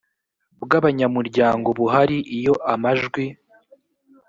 bw abanyamuryango buhari iyo amajwi